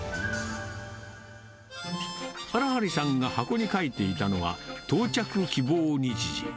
荒張さんが箱に書いていたのは、到着希望日時。